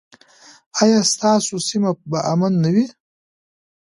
ایا ستاسو سیمه به امن نه وي؟